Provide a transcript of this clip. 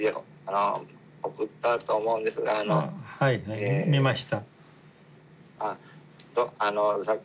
はいはい見ました。